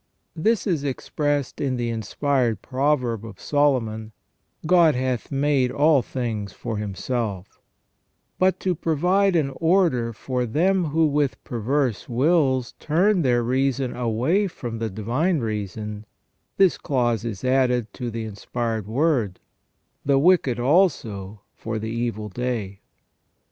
This is expressed in the inspired proverb of Solomon : "God hath made all things for Himself"; but to provide an order for them who with perverse wills turn their reason away from the divine reason, this clause is added to the inspired word :" The wicked also for the evil day